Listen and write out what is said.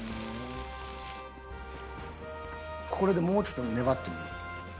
これでもうちょっと粘ってみる。